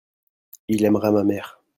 il aimera ma mère.